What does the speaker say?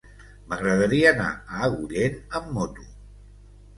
M'agradaria anar a Agullent amb moto.